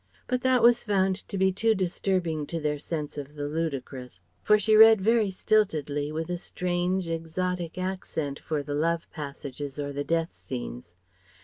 But that was found to be too disturbing to their sense of the ludicrous. For she read very stiltedly, with a strange exotic accent for the love passages or the death scenes.